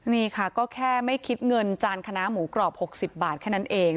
นี่ค่ะก็แค่ไม่คิดเงินจานคณะหมูกรอบ๖๐บาทแค่นั้นเอง